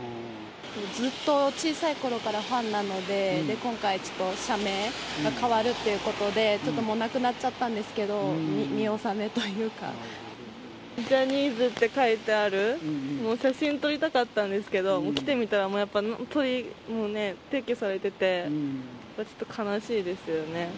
ずっと小さいころからファンなので、今回、社名が変わるっていうことで、ちょっともうなくなっちゃったんですけど、ジャニーズって書いてある写真撮りたかったんですけど、来てみたらやっぱもうね、撤去されてて、ちょっと悲しいですよね。